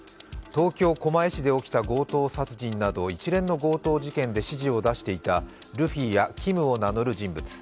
東京・狛江市で起きた強盗殺人など一連の強盗事件で指示を出していたルフィやキムを名乗る人物。